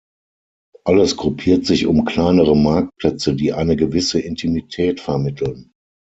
Alles gruppiert sich um kleinere Marktplätze, die eine gewisse Intimität vermitteln.